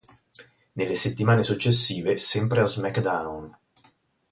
Nelle settimane successive, sempre a "SmackDown!